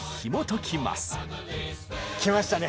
きましたね